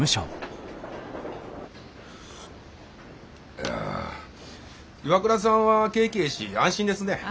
いやＩＷＡＫＵＲＡさんは景気ええし安心ですね。